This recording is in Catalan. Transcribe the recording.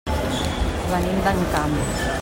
Venim d'Encamp.